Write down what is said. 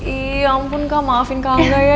ih ya ampun kak maafin kakak gue ya